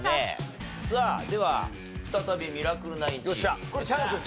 さあでは再びミラクル９チーム。